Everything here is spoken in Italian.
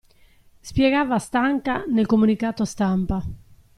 Spiegava Stanca nel comunicato stampa.